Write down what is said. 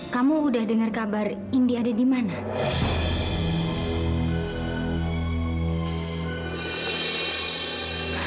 kamu udah denger kabar indi ada dimana